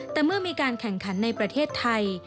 แต่เมื่อมีการแข่งขันในประเทศไทย